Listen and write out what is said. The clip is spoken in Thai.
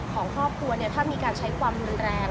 ของท่อครัวเนี่ยถ้ามีการใช้ความยุลแรง